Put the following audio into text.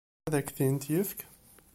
Ad k-tent-yefk?